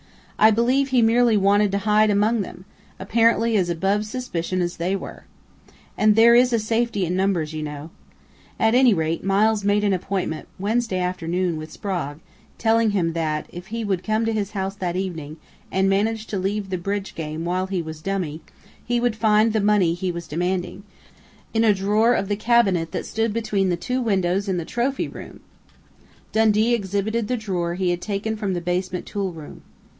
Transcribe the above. I believe he merely wanted to hide among them apparently as above suspicion as they were. And there is safety in numbers, you know.... At any rate, Miles made an appointment Wednesday afternoon with Sprague, telling him that, if he would come to his home that evening, and manage to leave the bridge game while he was dummy, he would find the money he was demanding in a drawer of the cabinet that stood between the two windows in the trophy room!" Dundee exhibited the drawer he had taken from the basement tool room.